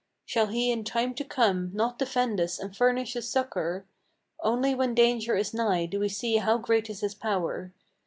Shall he in time to come not defend us and furnish us succor? Only when danger is nigh do we see how great is his power.